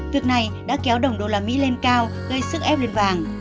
việc này đã kéo đồng usd lên cao gây sức ép lên vàng